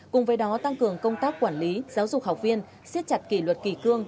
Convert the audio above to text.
cùng với đó tăng cường công tác quản lý giáo dục học viên siết chặt kỷ luật kỳ cương